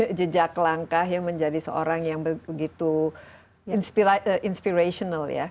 menikuti jejak langkah menjadi seorang yang begitu inspirational ya